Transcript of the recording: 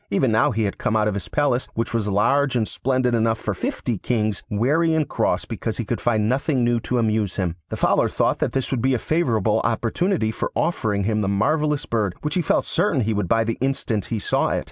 Even now he had come out of his palace, which was large and splendid enough for fifty kings, weary and cross because he could find nothing new to amuse him. The Fowler thought that this would be a favourable opportunity for offering him the marvellous bird, which he felt certain he would buy the instant he saw it.